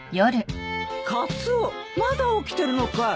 カツオまだ起きてるのかい？